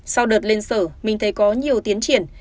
sau đợt lên sở mình thấy có nhiều tiến triển